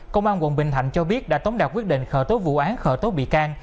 công an quận bình thạnh cho biết đã tống đạt quyết định khởi tố vụ án khởi tố bị can